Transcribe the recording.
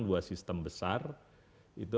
dua sistem besar itu